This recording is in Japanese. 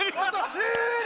終了！